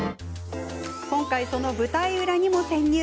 今回、その舞台裏にも潜入。